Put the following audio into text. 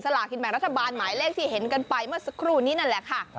ลากินแบ่งรัฐบาลหมายเลขที่เห็นกันไปเมื่อสักครู่นี้นั่นแหละค่ะ